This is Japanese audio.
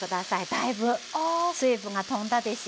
だいぶ水分がとんだでしょう？